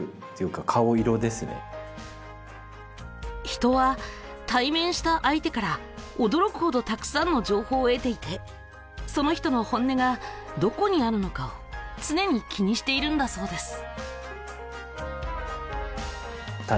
人は対面した相手からおどろくほどたくさんの情報を得ていてその人の本音がどこにあるのかをつねに気にしているんだそうです。